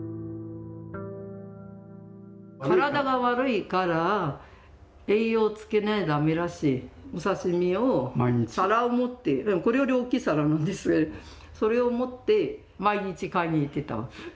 体が悪いから栄養をつけねば駄目らしお刺身を皿を持ってこれより大きい皿なんですけどそれを持って毎日買いに行ってたわけ。